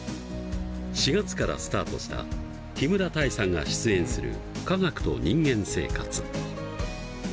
４月からスタートした木村多江さんが出演する「科学と人間生活」。